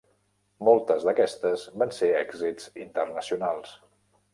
Moltes d'aquestes van ser èxits internacionals.